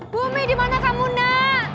bumi dimana kamu nak